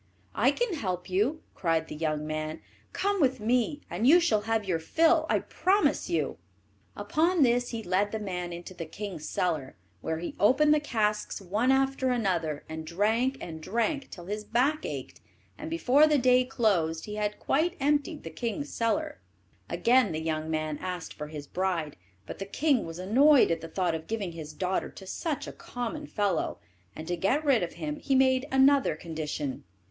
"I can help you," cried the young man; "come with me, and you shall have your fill, I promise you." Upon this he led the man into the king's cellar, where he opened the casks one after another, and drank and drank till his back ached; and before the day closed he had quite emptied the king's cellar. Again the young man asked for his bride, but the king was annoyed at the thought of giving his daughter to such a common fellow, and to get rid of him he made another condition.